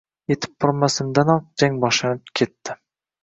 Etib bormasimdanoq, jang boshlanib ketdi